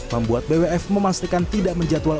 membuat bwf memastikan tidak menjatuhkan